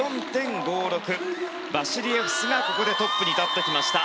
バシリエフスがここでトップに立ってきました。